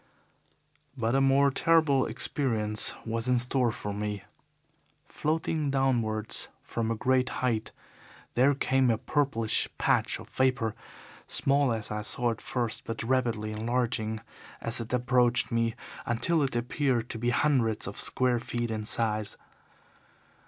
"But a more terrible experience was in store for me. Floating downwards from a great height there came a purplish patch of vapour, small as I saw it first, but rapidly enlarging as it approached me, until it appeared to be hundreds of square feet in size.